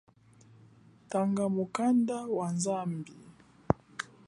Tanga mukanda wa zambi.